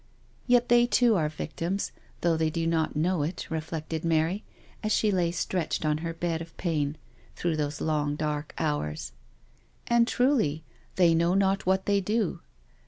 " Yet they too are victims, though they do not know it," reflected Mary, as she lay stretched on her bed of pain through those long dark hours, " and truly ' they ^^^ NO SURRENDER know not what they do.